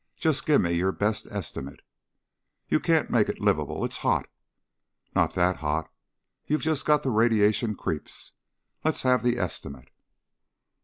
"Just give me your best estimate." "You can't make it livable. It's hot." "Not that hot. You've just got the radiation creeps. Let's have the estimate."